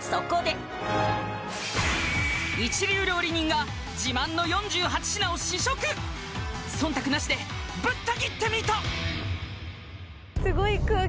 そこで一流料理人が自慢の４８品を試食忖度なしでぶった斬ってみたすごい空気うわ